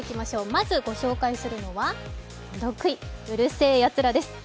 まずご紹介するのは６位、「うる星やつら」です。